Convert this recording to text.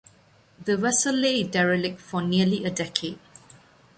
The vessel lay derelict for nearly a decade.